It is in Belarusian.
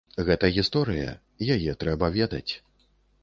Гэта гісторыя, яе трэба ведаць.